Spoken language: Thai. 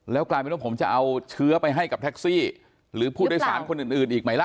กลายเป็นว่าผมจะเอาเชื้อไปให้กับแท็กซี่หรือผู้โดยสารคนอื่นอีกไหมล่ะ